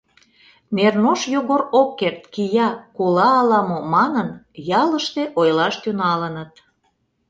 «Нернош Йогор ок керт, кия, кола-ала мо», — манын, ялыште ойлаш тӱҥалыныт.